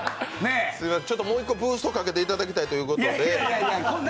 もう一個ブーストかけていただきたいということで。